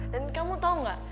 dan kamu tau nggak